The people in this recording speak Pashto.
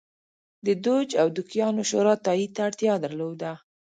د دوج او دوکیانو شورا تایید ته اړتیا درلوده